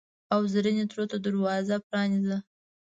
او زرینې ترور ته دروازه پرانیزه!